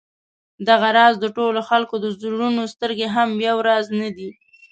دغه راز د ټولو خلکو د زړونو سترګې هم یو راز نه دي.